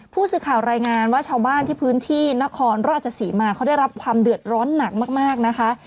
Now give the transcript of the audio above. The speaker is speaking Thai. ผู้สื่อข่าวรายงานว่าชาวบ้านที่พื้นที่นครราชศรีมาเขาได้รับความเดือดร้อนหนักมากนะคะ